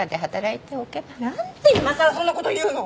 なんで今さらそんな事言うの！？